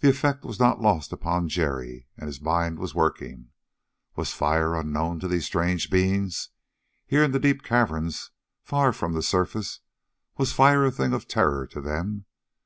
The effect was not lost upon Jerry. And his mind was working. Was fire unknown to these strange beings? Here in the deep caverns, far from the surface, was fire a thing of terror to them?